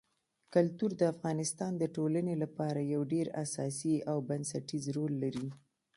کلتور د افغانستان د ټولنې لپاره یو ډېر اساسي او بنسټيز رول لري.